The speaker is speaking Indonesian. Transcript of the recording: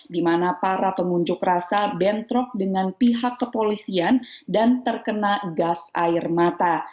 di mana para pengunjuk rasa bentrok dengan pihak kepolisian dan terkena gas air mata